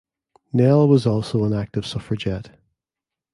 Nell was also an active suffragette.